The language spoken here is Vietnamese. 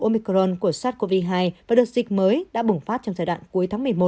omicron của sars cov hai và đợt dịch mới đã bùng phát trong giai đoạn cuối tháng một mươi một